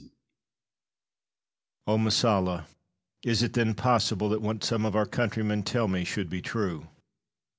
Oh, Messalla! is it then possible that what some of our countrymen tell me should be true?